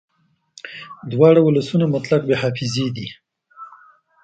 دواړه ولسونه مطلق بې حافظې دي